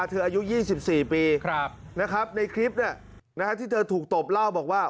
อายุ๒๔ปีนะครับในคลิปที่เธอถูกตบเล่าบอกว่า